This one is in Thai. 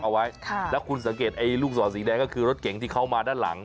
เอาไว้ค่ะแล้วคุณสังเกตไอ้ลูกศรสีแดงก็คือรถเก๋งที่เขามาด้านหลัง